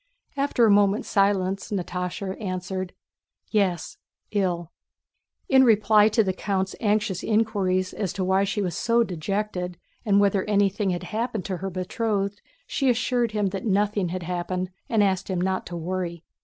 After a moment's silence Natásha answered: "Yes, ill." In reply to the count's anxious inquiries as to why she was so dejected and whether anything had happened to her betrothed, she assured him that nothing had happened and asked him not to worry.